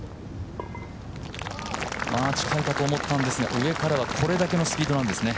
近いかと思ったんですが上からはこれだけのスピードなんですね。